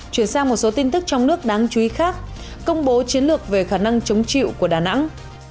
chuyển sang một số tin tức trong nước đáng chú ý khác công bố chiến lược về khả năng chống chịu của đà nẵng